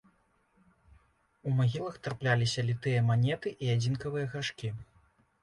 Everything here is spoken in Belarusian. У магілах трапляліся літыя манеты і адзінкавыя гаршкі.